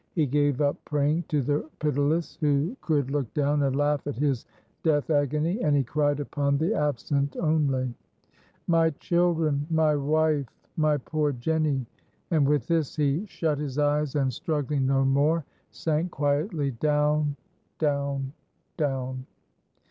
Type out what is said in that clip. He gave up praying to the pitiless, who could look down and laugh at his death agony, and he cried upon the absent only. "My children! my wife! my poor Jenny!" and with this he shut his eyes, and, struggling no more, sank quietly down! down! down.